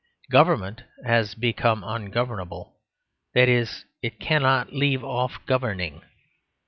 Government has become ungovernable; that is, it cannot leave off governing.